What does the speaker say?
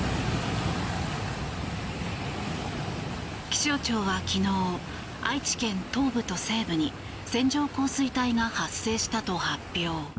気象庁は昨日愛知県東部と西部に線状降水帯が発生したと発表。